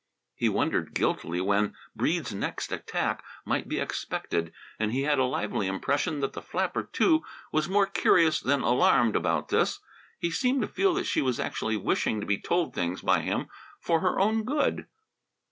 He wondered guiltily when Breede's next attack might be expected, and he had a lively impression that the flapper, too, was more curious than alarmed about this. He seemed to feel that she was actually wishing to be told things by him for her own good.